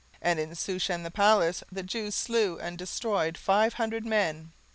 17:009:006 And in Shushan the palace the Jews slew and destroyed five hundred men.